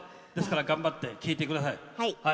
頑張って聴いてください。